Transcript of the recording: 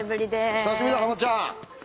久しぶりだハマちゃん。